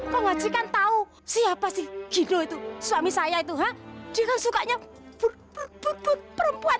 pengajikan tahu siapa sih gino itu suami saya itu ha jangan sukanya pur pur pur pur perempuan